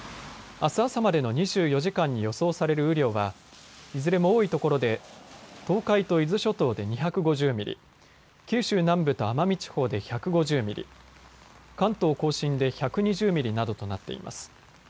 あす朝までの２４時間に予想される雨量はいずれも多いところで東海と伊豆諸島で２５０ミリ、九州南部と奄美地方で１５０ミリ、関東甲信で１２０ミリなどとなっています。